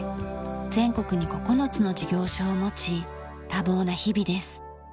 全国に９つの事業所を持ち多忙な日々です。